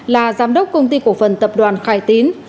là giám đốc công ty cổ phần tập đoàn khải tín